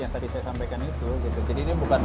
yang tadi saya sampaikan itu jadi ini bukan